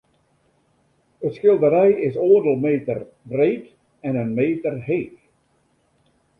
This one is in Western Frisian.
It skilderij is oardel meter breed en in meter heech.